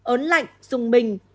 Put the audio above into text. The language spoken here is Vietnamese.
ốn lạnh dùng bình